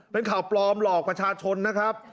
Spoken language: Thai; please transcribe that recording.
เป็นข่าวปลอมหลอกประชาชนนะครับ